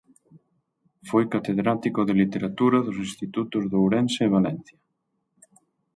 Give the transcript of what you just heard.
Foi catedrático de Literatura dos Institutos de Ourense e Valencia.